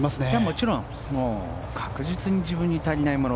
もちろん確実に自分に足りないもの